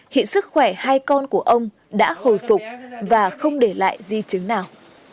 hiện sức khỏe hai con của ông đã hồi phục và không để lại di chứng nào